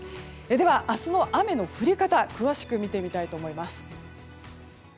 明日の雨の降り方詳しく見てみたいと思います。